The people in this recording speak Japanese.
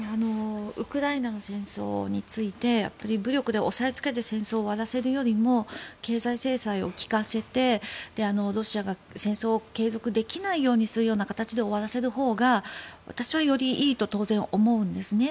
ウクライナの戦争について武力で押さえつけるような戦争を終わらせるよりも経済制裁を効かせてロシアが戦争を継続できないようにするような形で終わらせるほうが私はよりいいと当然思うんですね。